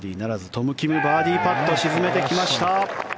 トム・キム、バーディーパット沈めてきました。